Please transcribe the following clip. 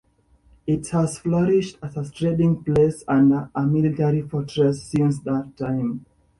It has flourished as a trading place and a military fortress since that time.